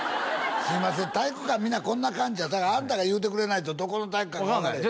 すいません体育館みんなこんな感じやだからあんたが言うてくれないとどこの体育館か分からへん